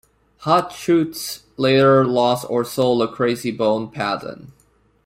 HotShots later lost or sold the Crazy Bone patent.